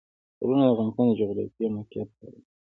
غرونه د افغانستان د جغرافیایي موقیعت پایله ده.